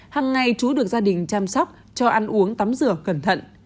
hằng ngày chú được gia đình chăm sóc cho ăn uống tắm rửa cẩn thận